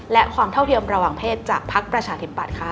และความเท่าเทียมระหว่างเพศจากพักประชาธิปัตย์ค่ะ